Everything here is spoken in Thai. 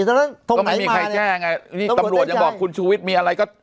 ก็ไม่มีใครแจ้งไงนี่ตำรวจยังบอกคุณชูวิทย์มีอะไรก็